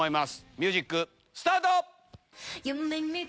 ミュージックスタート！